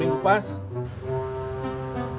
itu namanya bukan seminggu